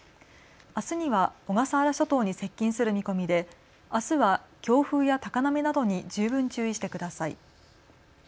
あすには小笠原諸島に接近する見込みであすは強風や高波などに十分注意してください。